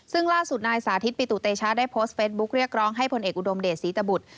ซึ่งล่าสุดนายสาธิตปิตุเตชะได้โพสต์เฟสบุ๊คเรียกร้องให้ผลเอกอุดมเดชศรีตบุตร